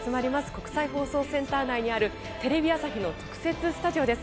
国際放送センター内にあるテレビ朝日の特設スタジオです。